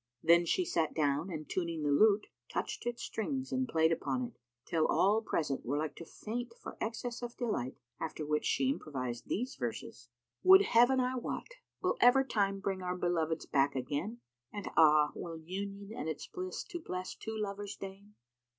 Then she sat down and tuning the lute, touched its strings and played upon it, till all present were like to faint for excess of delight; after which she improvised these verses, "Would Heaven I wot, will ever Time bring our beloveds back again? * And, ah! will Union and its bliss to bless two lovers deign?